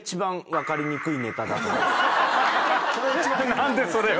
何でそれを？